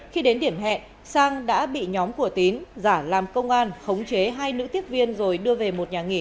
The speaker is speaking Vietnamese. khi đến điểm hẹn sang đã bị nhóm cổ tín giả làm công an khống chế hai nữ tiếp viên rồi đưa về một nhà nghỉ